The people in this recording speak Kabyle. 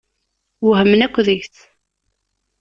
Wehmen akk deg-s.